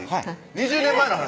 ２０年前の話？